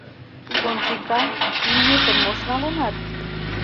Онтика, имнетым мош налынат?